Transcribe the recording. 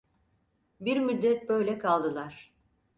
Bir müddet böyle kaldılar.